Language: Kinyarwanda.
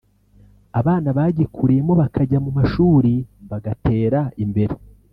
abana bagikuriyemo bakajya mu mashuri bagatera imbere[…